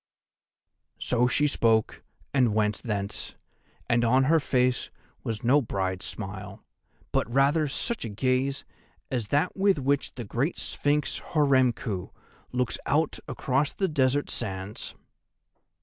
"So she spoke and went thence, and on her face was no bride's smile, but rather such a gaze as that with which the great sphinx, Horemku, looks out across the desert sands."